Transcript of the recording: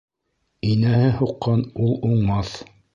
Инәһе һуҡҡан ул уңмаҫ.